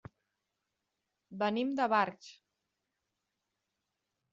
Venim de Barx.